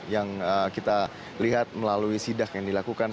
yang kita lihat melalui sidak yang dilakukan